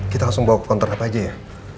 kita langsung bawa ke kontor apa aja ya